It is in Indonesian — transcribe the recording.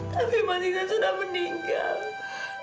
tapi mas iksan sudah meninggal